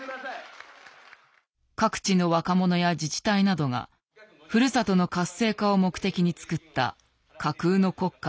各地の若者や自治体などがふるさとの活性化を目的につくった架空の国家である。